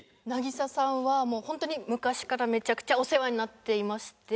渚さんはもうホントに昔からめちゃくちゃお世話になっていまして。